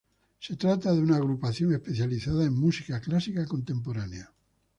Se trata de una agrupación especializada en música clásica contemporánea.